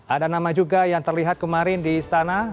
ada nama juga yang terlihat kemarin di istana